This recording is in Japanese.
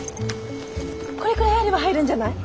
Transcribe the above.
これくらいあれば入るんじゃない？